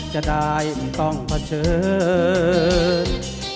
จะได้ต้องเผชิญ